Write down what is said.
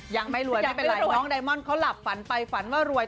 ยังไม่รวยไม่เป็นไรน้องไดมอนเขาหลับฝันไปฝันว่ารวย